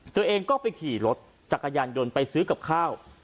ตัวเองก็ไปขี่รถจักรยานยนต์ไปซื้อกับข้าว